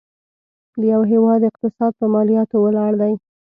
د یو هيواد اقتصاد په مالياتو ولاړ وي.